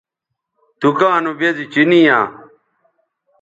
دکاں نو بیزی چینی یاں